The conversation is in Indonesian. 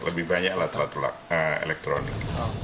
lebih banyak alat alat elektronik